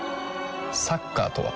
サッカーとは？